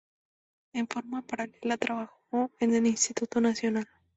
En forma paralela, trabajó en el Instituto Nacional.